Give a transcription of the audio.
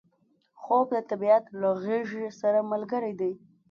خوب د طبیعت له غیږې سره ملګری دی